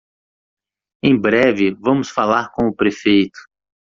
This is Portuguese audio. Em breve vamos falar com o prefeito.